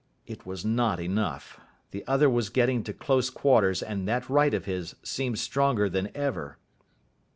It was not enough. The other was getting to close quarters, and that right of his seemed stronger than ever.